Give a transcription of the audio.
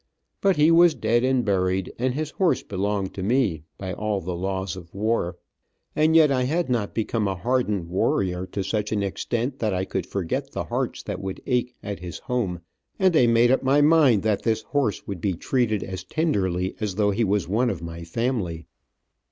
But he was dead and buried, and his horse belonged to me, by all the laws of war. And yet I had not become a hardened warrior to such an extent that I could forget the hearts that would ache at his home, and I made up mind that horse would be treated as tenderly as though he was one of my family.